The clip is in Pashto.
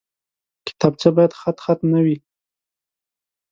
کتابچه باید خطخط نه وي